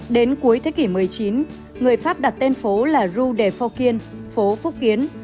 đến cuối thế kỷ một mươi chín người pháp đặt tên phố là rue de fokien phố phúc kiến